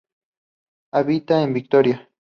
Habita en Victoria.